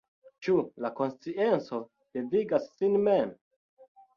Ĉu la konscienco devigas sin mem?